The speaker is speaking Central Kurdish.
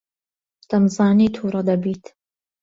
دەمزانی تووڕە دەبیت.